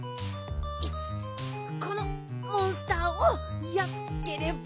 このモンスターをやっつければ。